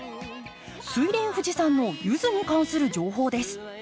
スイレンフジさんのユズに関する情報です。